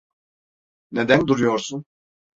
Neden duruyorsun?